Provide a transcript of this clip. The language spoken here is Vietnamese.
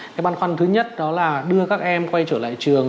cái băn khoăn thứ nhất đó là đưa các em quay trở lại trường